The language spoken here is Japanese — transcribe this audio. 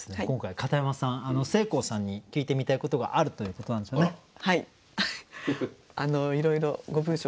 今回片山さんせいこうさんに聞いてみたいことがあるということなんですよね。